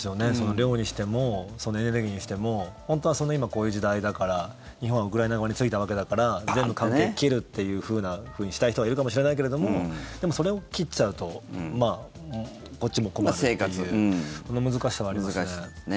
漁にしても、エネルギーにしても本当は、今こういう時代だから日本はウクライナ側についたわけだから全部関係を切るっていうふうにしたい人がいるかもしれないけどでも、それを切っちゃうとこっちも困るっていう難しいですね。